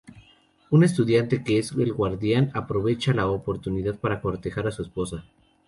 Un estudiante que es el guardián, aprovecha la oportunidad para cortejar a su esposa.